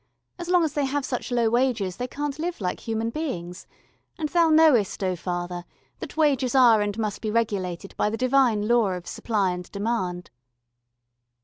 As long as they have such low wages they can't live like human beings. And Thou knowest, O Father, that wages are and must be regulated by the divine law of supply and demand."